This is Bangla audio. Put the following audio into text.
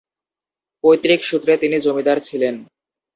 পৈতৃক সূত্রে তিনি জমিদার ছিলেন।